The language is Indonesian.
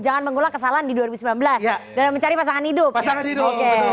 jangan mengulang kesalahan di dua ribu sembilan belas dalam mencari pasangan hidup pasangan hidup